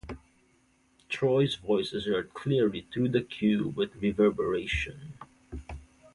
Troy's voice is heard clearly through the cube with reverberation.